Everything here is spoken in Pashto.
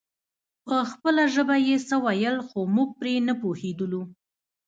په خپله ژبه يې څه ويل خو موږ پرې نه پوهېدلو.